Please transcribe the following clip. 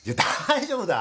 大丈夫だ。